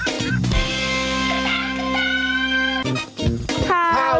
คุณพุทธครับ